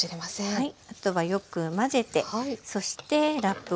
はい。